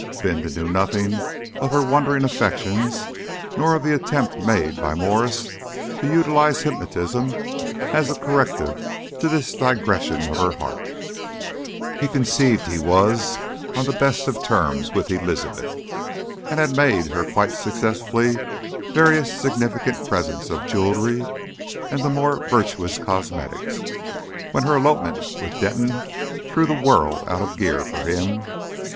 Bindon knew nothing of her wandering affections, nor of the attempt made by Mwres to utilise hypnotism as a corrective to this digression of her heart; he conceived he was on the best of terms with Elizabeth, and had made her quite successfully various significant presents of jewellery and the more virtuous cosmetics, when her elopement with Denton threw the world out of gear for him.